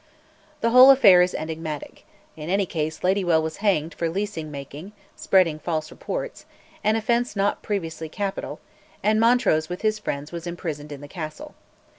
The whole affair is enigmatic; in any case Ladywell was hanged for "leasing making" (spreading false reports), an offence not previously capital, and Montrose with his friends was imprisoned in the castle.